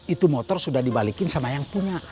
itu motor sudah dibalikin sama yang punya